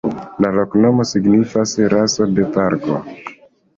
La loknomo signifas: raso de porko.